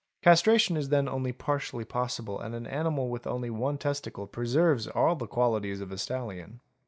Castration is then only partially possible and an animal with only one testicle preserves all the qualities of a stallion.